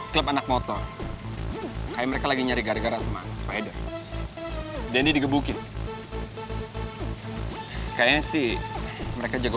klub anak motor kayak mereka lagi nyari gara gara semangat spider dendy digebukin kayaknya sih mereka jago